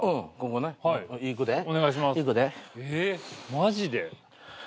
マジで。